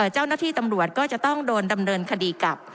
เจ้าหน้าที่ตำรวจก็จะต้องโดนดำเนินคดีกับ